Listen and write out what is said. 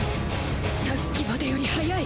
さっきまでより速い！